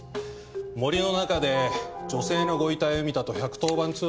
森の中で女性のご遺体を見たと１１０番通報があったのが午前９時。